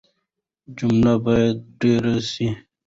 جملې بايد ډېري سي.